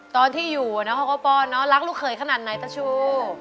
ตอนที่อยู่นะเขาก็ป้อนเนอะรักลูกเขยขนาดไหนตาชู